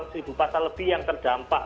seribu pasal lebih yang terdampak